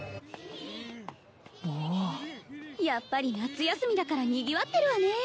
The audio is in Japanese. キリンキリンおおやっぱり夏休みだからにぎわってるわね